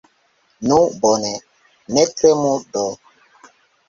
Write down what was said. Nu, bone, ne tremu do!